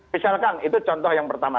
misalkan itu contoh yang pertama